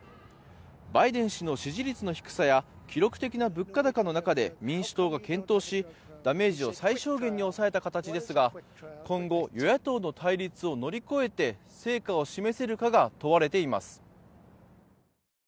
バイデン氏の支持率の低さや記録的な物価高の中で民主党が健闘し、ダメージを最小限に抑えた形ですが今後、与野党の対立を乗り越えて成果を示せるかが問われています。